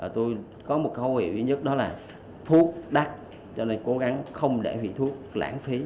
tôi có một khẩu hiệu duy nhất đó là thuốc đắt cho nên cố gắng không để bị thuốc lãng phí